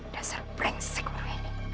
dasar brengsek orang ini